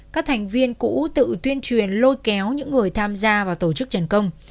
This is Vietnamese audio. các thành viên cũ tự tuyên truyền lôi kéo những người tham gia vào tổ chức trần công